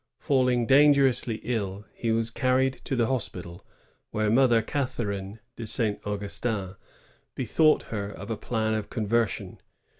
Falling dangerously ill, he was carried to the hospital, where Mother Catherine de Saint Augustin bethought her of a plan of conversion.